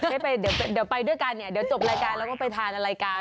ไปเดี๋ยวไปด้วยกันเนี่ยเดี๋ยวจบรายการแล้วก็ไปทานอะไรกัน